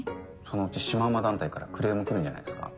そのうちシマウマ団体からクレーム来るんじゃないですか。